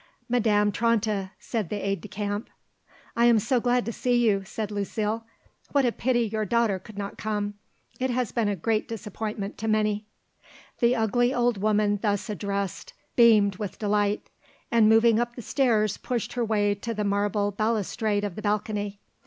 "Madame Tranta," said the aide de camp. "I am so glad to see you," said Lucile. "What a pity your daughter could not come; it has been a great disappointment to many." The ugly old woman thus addressed beamed with delight, and moving up the stairs pushed her way to the marble balustrade of the balcony.